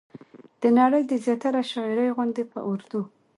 د نړۍ د زياتره شاعرۍ غوندې په اردو